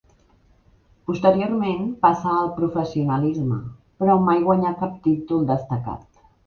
Posteriorment passà al professionalisme, però mai guanyà cap títol destacat.